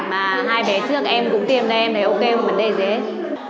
mà hai bé trước em cũng tiêm đây em thấy ok không có vấn đề gì hết